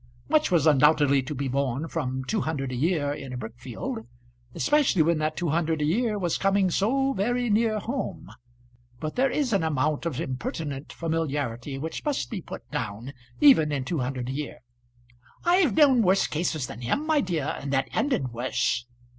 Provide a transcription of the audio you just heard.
Much was undoubtedly to be borne from two hundred a year in a brick field, especially when that two hundred a year was coming so very near home; but there is an amount of impertinent familiarity which must be put down even in two hundred a year. "I've known worse cases than him, my dear; and that ended worse."